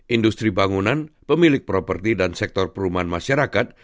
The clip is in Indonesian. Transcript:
industri bangunan pemilik properti dan sektor perumahan masyarakat